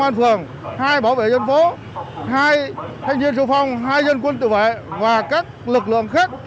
an phường hai bảo vệ dân phố hai thanh niên sửu phòng hai dân quân tự vệ và các lực lượng khác